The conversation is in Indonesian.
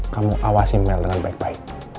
kamu awasi mel dengan baik baik